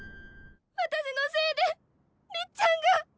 私のせいでりっちゃんが！